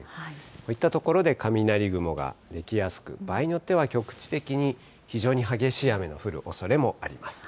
こういった所で雷雲が湧きやすく、場合によっては局地的に非常に激しい雨の降るおそれもあります。